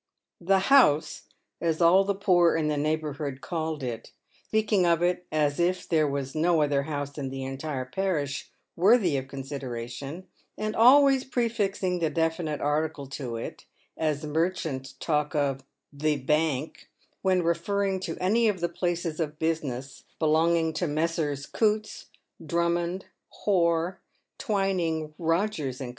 y/ " The House" — as all the poor in the neigbourhood called it, speak ing of it as if there was no other house in the entire parish worthy of consideration, and always prefixing the definite article to it, as mer chants talk of " the Bank" when referring to any of the places of business belonging to Messrs. Coutts, Drummond, Hoare, Twining, Rogers, and Co.